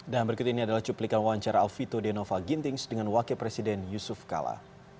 dan berikut ini adalah cuplikan wawancara aufito de nova gintings dengan wakil presiden yusuf kala